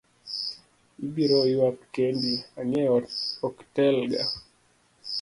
Ibiro yuak kendi, ang'e ok tel ga.